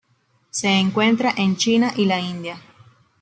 Se encuentra en China y la India.